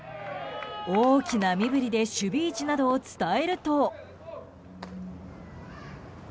大きな身振りで守備位置などを伝えると。